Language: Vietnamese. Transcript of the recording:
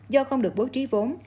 do không được bố trí vốn